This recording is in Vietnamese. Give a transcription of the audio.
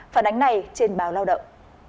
phản ánh này trên báo lao động